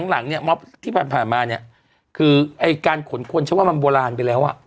หลังม๊อบที่ผ่านมาคือการขนขนฉันว่ามันโบราณไปแล้ว